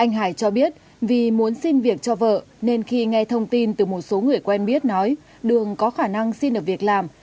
anh hải cho biết vì muốn xin việc cho vợ nên khi nghe thông tin từ một số người quen biết nói đường có khả năng xin được việc làm